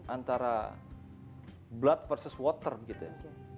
antara blood versus water gitu ya